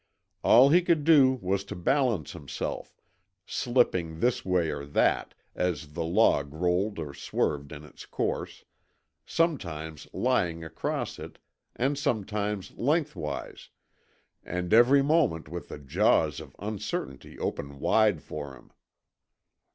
All he could do was to balance himself, slipping this way or that as the log rolled or swerved in its course, sometimes lying across it and sometimes lengthwise, and every moment with the jaws of uncertainty open wide for him.